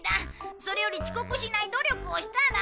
それより遅刻しない努力をしたら？